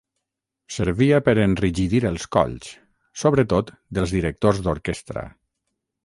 Servia per enrigidir els colls, sobretot dels directors d'orquestra.